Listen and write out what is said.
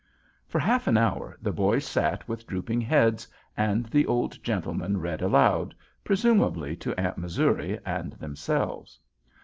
For half an hour the boys sat with drooping heads, and the old gentleman read aloud, presumably to Aunt Missouri and themselves.